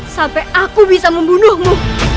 sampai aku bisa membunuhmu